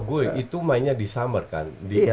gue itu mainnya di summer kan